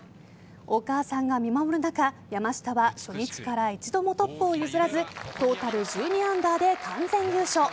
お母さんが見守る中山下は初日から一度もトップを譲らずトータル１２アンダーで完全優勝。